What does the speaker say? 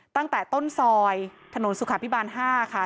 ตั้งแต่ต้นซอยถนนสุขภิบาล๕ค่ะ